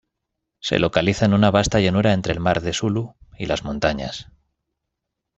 Se localiza en una vasta llanura entre el Mar de Sulu y las montañas.